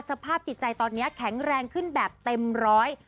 สภาพจิตใจตอนนี้แข็งแรงขึ้นแบบเต็มร้อย